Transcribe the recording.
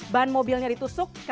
bahan mobilnya ditusuk